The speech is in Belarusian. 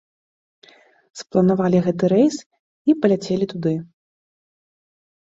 Спланавалі гэты рэйс і паляцелі туды.